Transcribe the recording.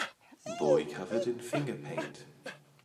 Boy covered in finger paint.